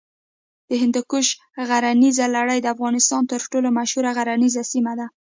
د هندوکش غرنیزه لړۍ د افغانستان تر ټولو مشهوره غرنیزه سیمه ده.